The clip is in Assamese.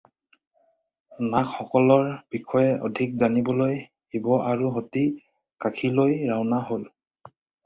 নাগসকলৰ বিশয়ে অধিক জানিবলৈ শিৱ আৰু সতী কাশীলৈ ৰাওনা হয়।